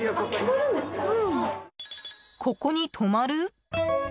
ここに泊まる？